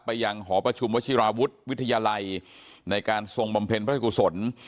ยังหอประชุมวชิราวุฒิวิทยาลัยในการทรงบำเพ็ญพระราชกุศล